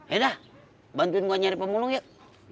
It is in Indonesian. yaudah bantuin gue nyari pemulung yuk